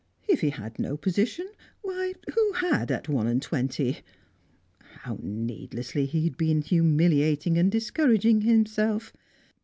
If he had no position, why, who had at one and twenty? How needlessly he had been humiliating and discouraging himself!